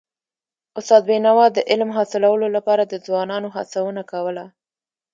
استاد بينوا د علم حاصلولو لپاره د ځوانانو هڅونه کوله.